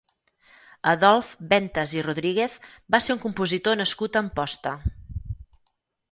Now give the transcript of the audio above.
Adolf Ventas i Rodríguez va ser un compositor nascut a Amposta.